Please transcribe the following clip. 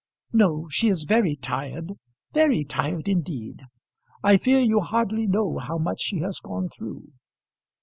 "No; she is very tired, very tired indeed. I fear you hardly know how much she has gone through."